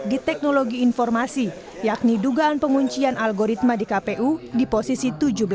di teknologi informasi yakni dugaan penguncian algoritma di kpu di posisi tujuh belas